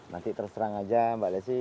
nanti terserang aja mbak lessi